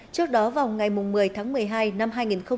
trước đó vào ngày một mươi tháng một mươi hai năm hai nghìn hai mươi